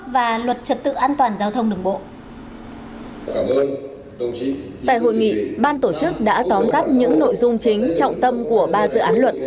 ban tổ chức đã tóm tắt những nội dung chính trọng tâm của ba dự án luật